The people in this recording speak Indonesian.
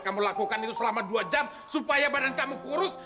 kamu lakukan itu selama dua jam supaya badan kamu kurus